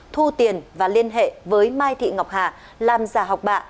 thu tiền và liên hệ với mai thị ngọc hà làm giả học bạ